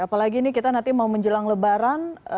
jadi kita nanti mau menjelang lebaran